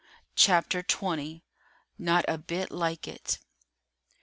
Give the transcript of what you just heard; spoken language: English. CHAPTER XX NOT A BIT LIKE IT.